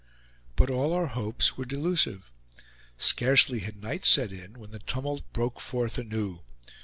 But all our hopes were delusive. Scarcely had night set in, when the tumult broke forth anew.